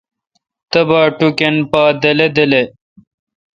تبا ٹُکن پا دلے° دلے°